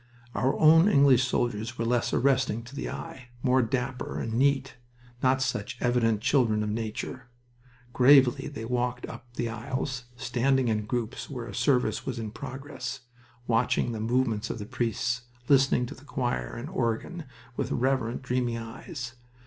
Our own English soldiers were less arresting to the eye, more dapper and neat, not such evident children of nature. Gravely they walked up the aisles, standing in groups where a service was in progress, watching the movements of the priests, listening to the choir and organ with reverent, dreamy eyes.